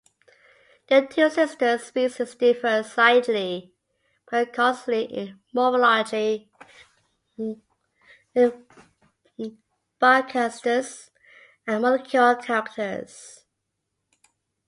The two sister species differ slightly but consistently in morphology, bioacoustics, and molecular characters.